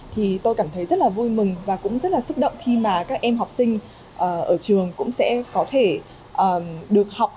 thì tôi cảm thấy rất là vui mừng và cũng rất là xúc động khi mà các em học sinh ở trường cũng sẽ có thể được học